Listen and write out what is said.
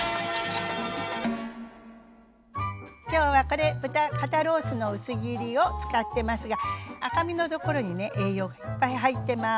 今日はこれ豚肩ロースの薄切りを使ってますが赤身のところにね栄養がいっぱい入ってます。